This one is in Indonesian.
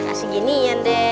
nggak dinginian deh